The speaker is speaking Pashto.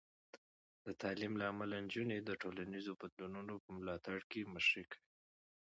د تعلیم له امله، نجونې د ټولنیزو بدلونونو په ملاتړ کې مشري کوي.